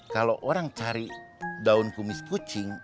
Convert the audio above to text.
kalau orang cari daun kumis kucing